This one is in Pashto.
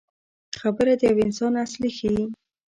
خبره د یو انسان اصل ښيي.